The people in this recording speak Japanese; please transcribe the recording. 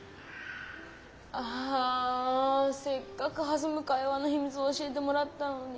あせっかくはずむ会話のひみつを教えてもらったのに。